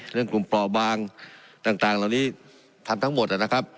เรื่องกลุ่มปลอบางต่างต่างเหล่านี้ทำทั้งหมดอ่ะนะครับ